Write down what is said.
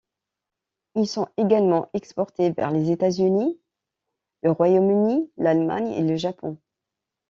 Ils sont également exportés vers les États-Unis, le Royaume-Uni, l'Allemagne et le Japon.